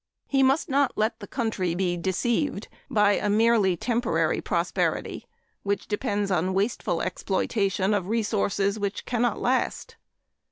He must not let the country be deceived by a merely temporary prosperity which depends on wasteful exploitation of resources which cannot last.